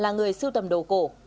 là người sưu tầm đồ cổ